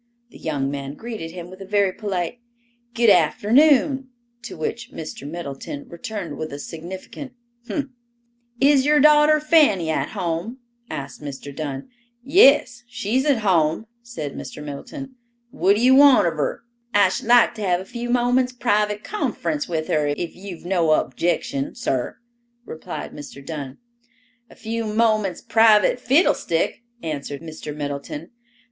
The young man greeted him with a very polite, "Good afternoon," to which Mr. Middleton returned with a significant "umph!" "Is your daughter Fanny at home?" asked Mr. Dunn. "Yes, she's at home," said Mr. Middleton. "What d'ye want of her?" "I should like to have a few moments' private conference with her, if you've no objection, sir," replied Mr. Dunn. "A few moments private fiddlestick," answered Mr. Middleton.